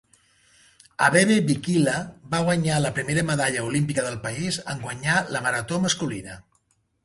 Abebe Bikila va guanyar la primera medalla olímpica del país en guanyar la marató masculina.